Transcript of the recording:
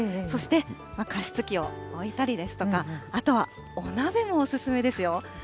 そして、加湿器を置いたりですとか、あとはお鍋もお勧めですよ。